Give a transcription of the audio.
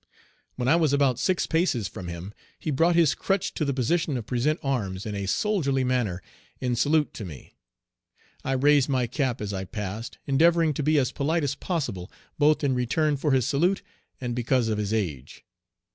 When I was about six paces from him he brought his crutch to the position of "present arms," in a soldierly manner, in salute to me. I raised my cap as I passed, endeavoring to be as polite as possible, both in return for his salute and because of his age.